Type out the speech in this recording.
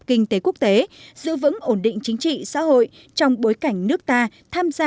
kinh tế quốc tế giữ vững ổn định chính trị xã hội trong bối cảnh nước ta tham gia